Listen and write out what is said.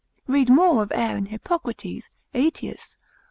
Read more of air in Hippocrates, Aetius, l.